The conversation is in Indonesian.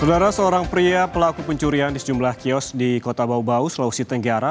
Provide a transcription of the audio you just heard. sementara seorang pria pelaku pencurian di sejumlah kios di kota bau bau sulawesi tenggara